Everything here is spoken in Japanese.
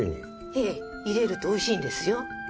へぇ入れるとおいしいんですよ。